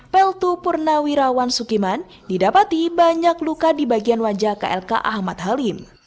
peltu purnawirawan sukiman didapati banyak luka di bagian wajah klk ahmad halim